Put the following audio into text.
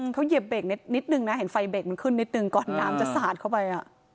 เขาเหยียบเบรกนิดนึงนะเห็นไฟเบรกมันขึ้นนิดนึงก่อนน้ำจะสาดเข้าไป